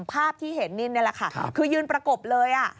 ภาพที่เห็นนี่แหละค่ะคือยืนประกบเลย